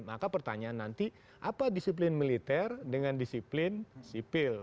maka pertanyaan nanti apa disiplin militer dengan disiplin sipil